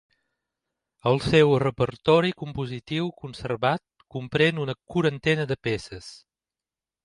El seu repertori compositiu conservat comprèn una quarantena de peces.